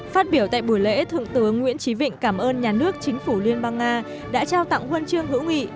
phát biểu tại buổi lễ thượng tướng nguyễn trí vịnh cảm ơn nhà nước chính phủ liên bang nga đã trao tặng hồn trường hiểu nghị